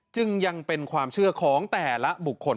จึงยังเป็นความเชื่อของแต่ละบุคคล